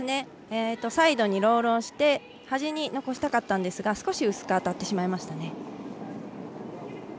サイドにロールをしてはじに残したかったんですが少し、薄く当たってしまいました。